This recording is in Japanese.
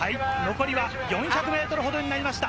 残りは４００ｍほどになりました。